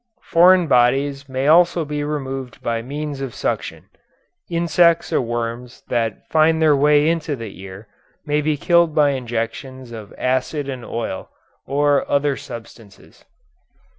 Foreign bodies may also be removed by means of suction. Insects or worms that find their way into the ear may be killed by injections of acid and oil, or other substances.